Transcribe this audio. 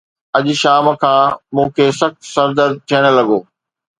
اڄ شام کان مون کي سخت سر درد ٿيڻ لڳو.